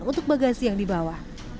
untuk bagasi yang dibawa